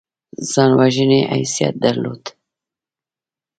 ځان وژنې حیثیت درلود.